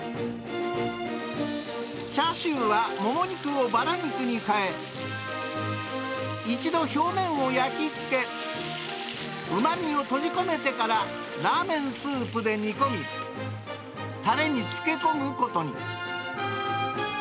チャーシューは、もも肉をばら肉に変え、一度表面を焼き付け、うまみを閉じ込めてからラーメンスープで煮込み、たれに漬け込むことに。